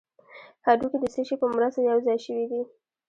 هډوکي د څه شي په مرسته یو ځای شوي دي